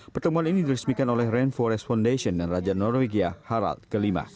pertemuan ini diresmikan oleh rainforest foundation dan raja norwegia harald v